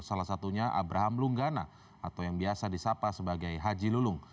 salah satunya abraham lunggana atau yang biasa disapa sebagai haji lulung